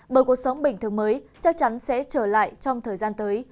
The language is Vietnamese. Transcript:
bởi cuộc sống bình thường mới chắc chắn sẽ trở lại trong thời gian tới